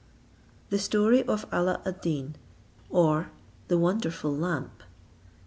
THE STORY OF ALLA AD DEEN; OR, THE WONDERFUL LAMP.